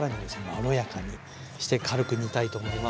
まろやかにして軽く煮たいと思います。